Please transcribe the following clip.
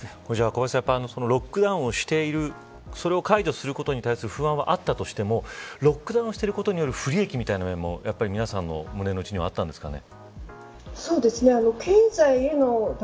小林さん、ロックダウンをしているそれを解除することに対する不安はあったとしてもロックダウンしていることによる不利益みたいなものも皆さんの胸の内にはそうですね。